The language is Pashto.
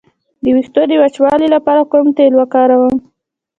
د ویښتو د وچوالي لپاره کوم تېل وکاروم؟